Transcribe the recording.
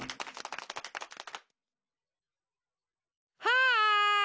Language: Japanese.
はい！